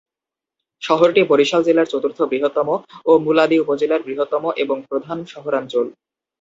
শহরটি বরিশাল জেলার চতুর্থ বৃহত্তম ও মুলাদী উপজেলার বৃহত্তম এবং প্রধান শহরাঞ্চল।